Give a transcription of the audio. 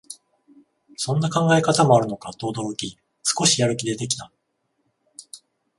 そんな考え方もあるのかと驚き、少しやる気出てきた